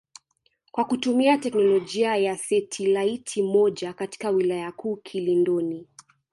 kwa kutumia teknolojia ya setilaiti moja katika wilaya kuu Kilindoni